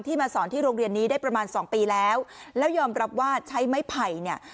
มาสอนที่โรงเรียนนี้ได้ประมาณสองปีแล้วแล้วยอมรับว่าใช้ไม้ไผ่เนี่ย